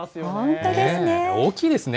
本当ですね。